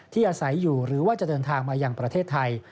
อาศัยอยู่หรือว่าจะเดินทางมายังประเทศไทย